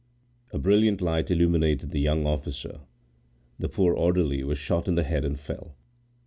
A brilliant light illuminated the young officer. The poor orderly was shot in the head and fell.